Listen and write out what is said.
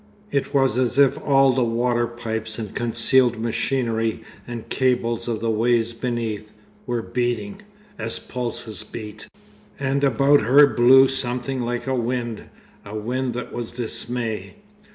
It was as if all the water pipes and concealed machinery and cables of the ways beneath, were beating—as pulses beat. And about her blew something like a wind—a wind that was dismay.